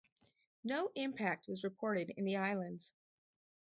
No impact was reported in the islands.